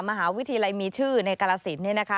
มหาวิทยาลัยมีชื่อในกาลสิน